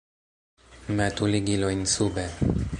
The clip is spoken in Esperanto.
Metu ligilojn sube!